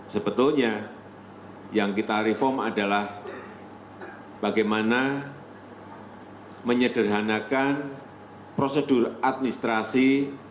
sebetulnya yang kita reform adalah bagaimana menyederhanakan prosedur administrasi